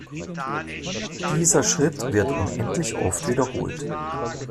Dieser Schritt wird unendlich oft wiederholt.